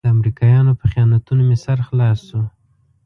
د امريکايانو په خیانتونو مې سر خلاص شو.